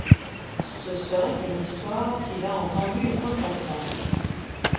Ce serait une histoire qu'il a entendu étant enfant.